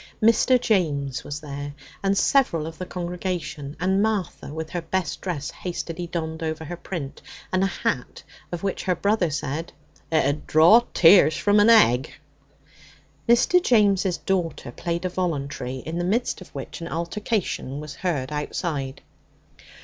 Mr. James was there, and several of the congregation, and Martha, with her best dress hastily donned over her print, and a hat of which her brother said 'it 'ud draw tears from an egg.' Mr. James' daughter played a voluntary, in the midst of which an altercation was heard outside.